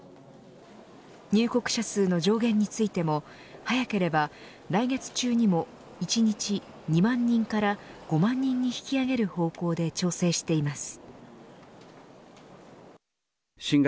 入国者数の上限についても早ければ来月中にも１日２万人から５万人に引き上げる方向で調整しています。